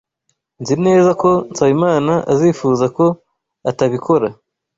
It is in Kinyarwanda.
Nzi neza ko Nsabimana azifuza ko atabikora.